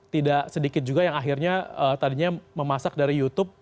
tidak sedikit juga yang akhirnya tadinya memasak dari youtube